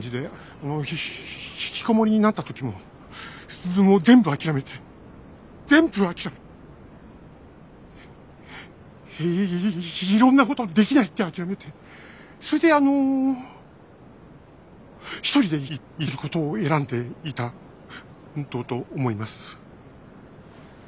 あのひひひひきこもりになった時ももう全部諦めて全部諦めていいいいろんなこと「できない」って諦めてそれであの１人でいることを選んでいたとと思います。